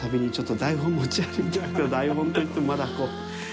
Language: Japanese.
台本といってもまだこう。